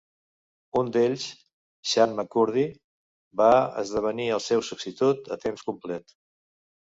Un d'ells, Xan McCurdy, va esdevenir el seu substitut a temps complet.